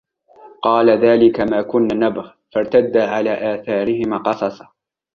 قَالَ ذَلِكَ مَا كُنَّا نَبْغِ فَارْتَدَّا عَلَى آثَارِهِمَا قَصَصًا